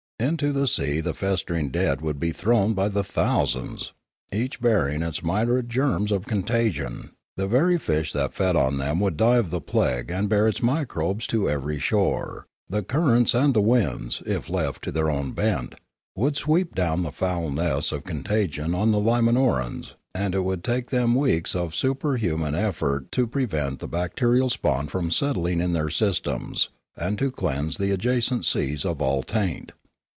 Into the sea the festering dead would be thrown by the thou sand, each bearing its myriad germs of contagion; the very fish that fed on them would die of the plague and bear its microbes to every shore; the currents and the winds, if left to their own bent, would sweep down the foul nests of contagion on the L,imanorans; and it would take them weeks of superhuman effort to pre vent the bacterial spawn from settling in their systems, and to cleanse the adjacent seas of all taint.